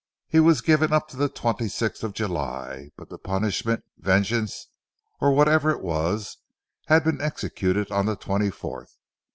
He was given up to the twenty sixth of July, but the punishment, vengeance, or whatever it was had been executed on the twenty fourth.